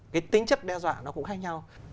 cái tính chất đe dọa nó cũng khác nhau